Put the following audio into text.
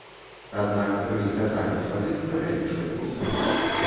Аднак рызыка трапіць пад іх павялічваецца.